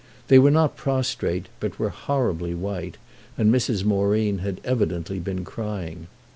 They were not prostrate but were horribly white, and Mrs. Moreen had evidently been crying.